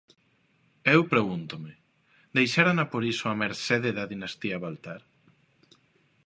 E eu pregúntome: ¿deixárona por iso á mercede da dinastía Baltar?